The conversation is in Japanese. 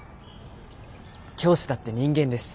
教師だって人間です。